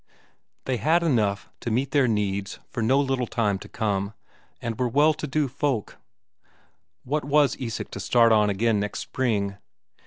They had enough to meet their needs for no little time to come, and were well to do folk. What was Isak to start on again next spring?